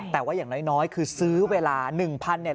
แต่ว่ายังน้อยคือซื้อเวลา๑๐๐๐บาทนี้